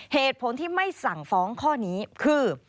เหตุผลที่ไม่สั่งฟ้องข้อนี้คือ